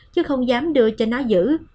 chứ không dám đưa cho nó giữ